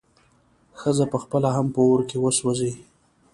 ښځه به پخپله هم په اور کې وسوځي.